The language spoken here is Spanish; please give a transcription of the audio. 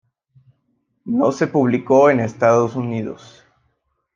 No se publicó en los Estados Unidos.